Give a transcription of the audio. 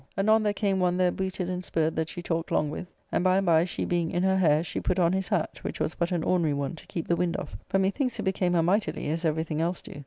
Anon there came one there booted and spurred that she talked long with. And by and by, she being in her hair, she put on his hat, which was but an ordinary one, to keep the wind off. But methinks it became her mightily, as every thing else do.